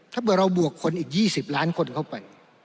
ถ้าเผื่อเราบวกคนอีก๒๐ล้านคนเข้าไป